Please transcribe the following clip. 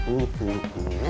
udah pada dateng nih